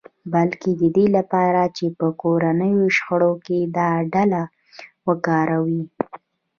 بلکې د دې لپاره چې په کورنیو شخړو کې دا ډله وکاروي